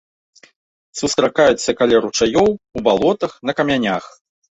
Сустракаецца каля ручаёў, у балотах, на камянях.